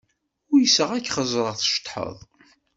Uyseɣ ad k-ẓreɣ tceṭṭḥeḍ.